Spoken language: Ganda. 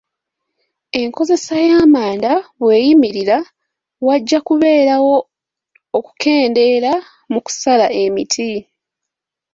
Enkozesa y'amanda bweyimirira, wajja kubeerawo okukendeera mu kusala emiti,